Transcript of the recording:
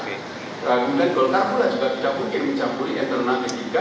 kemudian golkart pula juga tidak mungkin mencampuri internal ketiga